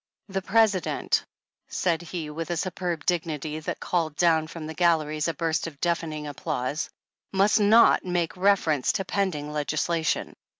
" The President," said he with a superb dignity that called down from the galleries a burst of deafening applause, ^'must not make reference to pending legislation.